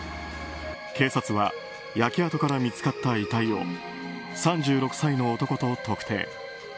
警察は焼け跡から見つかった遺体を３６歳の男と特定。